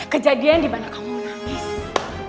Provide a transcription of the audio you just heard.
kejadian di mana kamu menangis